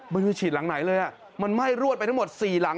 ไม่รู้ฉีดหลังไหนเลยมันไหม้รวดไปทั้งหมด๔หลัง